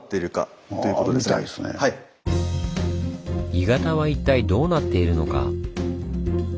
鋳型は一体どうなっているのか？